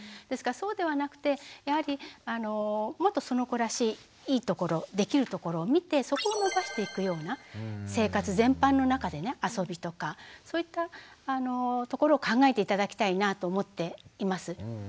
ですからそうではなくてやはりもっとその子らしいいいところできるところを見てそこを伸ばしていくような生活全般のなかでね遊びとかそういったところを考えて頂きたいなと思っています。